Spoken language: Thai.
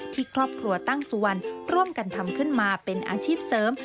ที่ครอบครัวตั้งสุวรรณร่วมกันทำขึ้นมาเป็นอาชีพเสริม